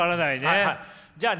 じゃあね